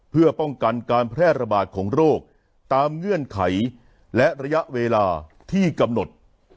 เพื่อป้องกันการแพร่ระบาดของโรคตามเงื่อนไขและระยะเวลาที่กำหนด